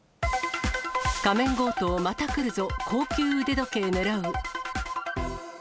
仮面強盗、また来るぞ、高級腕時計狙う。